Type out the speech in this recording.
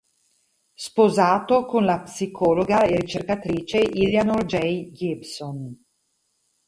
Sposato con la psicologa e ricercatrice Eleanor J. Gibson.